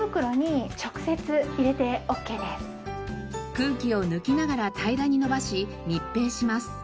空気を抜きながら平らにのばし密閉します。